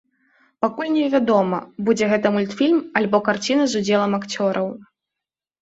Пакуль невядома, будзе гэта мультфільм альбо карціна з удзелам акцёраў.